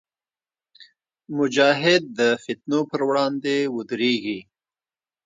مجاهد د فتنو پر وړاندې ودریږي.